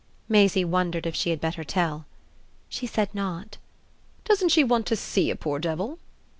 Maisie wondered if she had better tell. "She said not." "Doesn't she want to see a poor devil?"